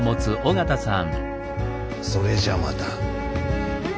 それじゃあまた。